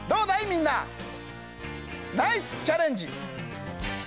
みんな！ナイスチャレンジ！